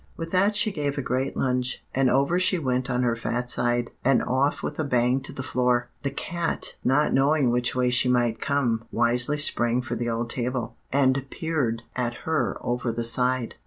With that she gave a great lunge, and over she went on her fat side, and off with a bang to the floor. The cat, not knowing which way she might come, wisely sprang for the old table, and peered at her over the side.